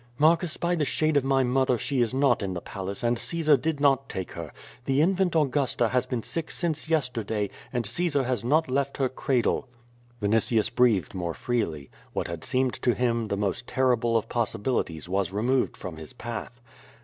Marcus, by the shade of my mother, she is not in the palace 94 QUO VADI8. and Caesar did not take her. The infant Augusta has been sick since yesterday and Caesar has not left her cradle.'* Vinitius breathed more freely. What had seemed to him the most terrible of possibilities was removed from his path.